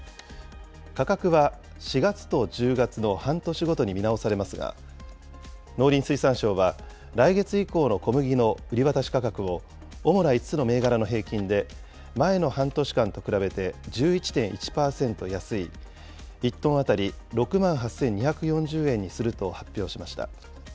価格は４月と１０月の半年ごとに見直されますが、農林水産省は、来月以降の小麦の売り渡し価格を、主な５つの銘柄の平均で、前の半年間と比べて１１．１％安い１トン当たり６万８２４０円にすると発表しました。